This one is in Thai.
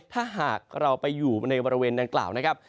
ถ้าหากเราไปอยู่ในบริเวณดังกล่าวนะครับ